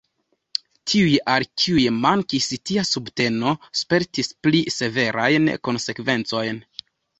Tiuj, al kiuj mankis tia subteno, spertis pli severajn konsekvencojn.